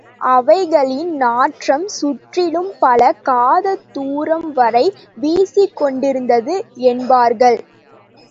அவைகளின் நாற்றம் சுற்றிலும் பல காத தூரம்வரை வீசிக் கொண்டிருந்தது என்பார்கள்.